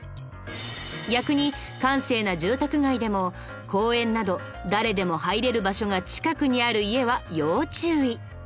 逆に閑静な住宅街でも公園など誰でも入れる場所が近くにある家は要注意。